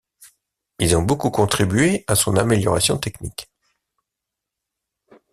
Ils ont beaucoup contribué à son amélioration technique.